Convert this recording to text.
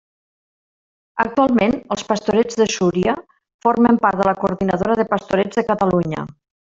Actualment els Pastorets de Súria formen part de la Coordinadora de Pastorets de Catalunya.